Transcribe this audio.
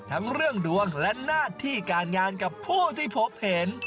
ทั้งเรื่องดวงและหน้าที่การงานกับผู้ที่พบเห็น